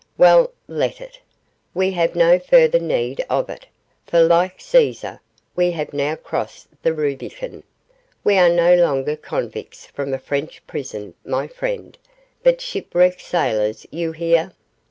Well, let it. We have no further need of it, for, like Caesar, we have now crossed the Rubicon. We are no longer convicts from a French prison, my friend, but shipwrecked sailors; you hear?